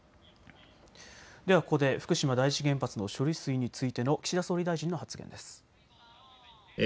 ではここで福島第一原発の処理水についての岸田総理の発言です。